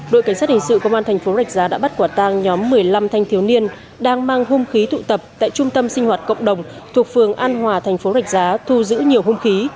đội cảnh sát hình sự công an thành phố rạch giá đã bắt quả tang nhóm một mươi năm thanh thiếu niên đang mang hung khí tụ tập tại trung tâm sinh hoạt cộng đồng thuộc phường an hòa thành phố rạch giá thu giữ nhiều hung khí